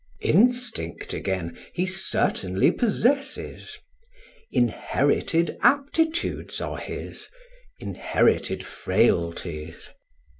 Instinct again he certainly possesses. Inherited aptitudes are his, inherited frailties.